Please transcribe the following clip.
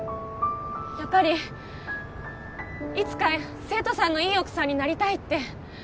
やっぱりいつか晴太さんのいい奥さんになりたいって